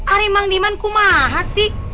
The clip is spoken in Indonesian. arimang liman ku mahasik